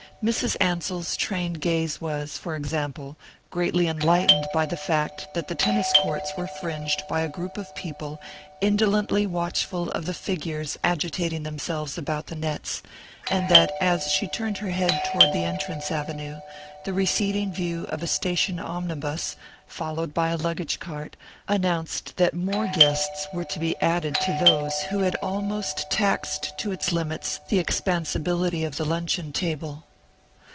Mrs. Ansell's trained gaze was, for example, greatly enlightened by the fact that the tennis courts were fringed by a group of people indolently watchful of the figures agitating themselves about the nets; and that, as she turned her head toward the entrance avenue, the receding view of a station omnibus, followed by a luggage cart, announced that more guests were to be added to those who had almost taxed to its limits the expansibility of the luncheon table.